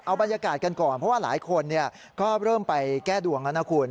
เอาบรรยากาศกันก่อนเพราะว่าหลายคนก็เริ่มไปแก้ดวงแล้วนะคุณ